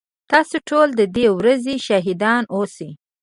تاسو ټول ددې ورځي شاهدان اوسئ